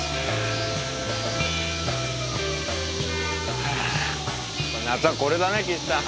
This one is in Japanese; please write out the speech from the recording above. はぁ夏はこれだね岸さん。